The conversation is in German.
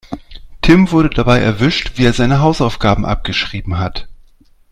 Tim wurde dabei erwischt, wie er seine Hausaufgaben abgeschrieben hat.